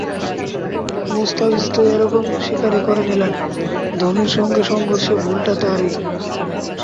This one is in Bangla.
মুস্তাফিজ তো একরকম স্বীকারই করে নিলেন, ধোনির সঙ্গে সংঘর্ষে ভুলটা তাঁরই।